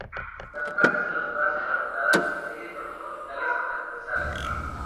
Las placas de los brazos arregladas en series longitudinales y transversales.